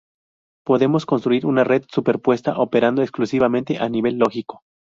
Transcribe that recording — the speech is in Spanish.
Podemos construir una red superpuesta operando exclusivamente a nivel lógico.